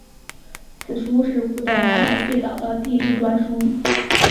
此书是古代南海最早的地志专书。